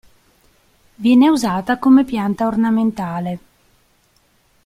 Viene usata come pianta ornamentale.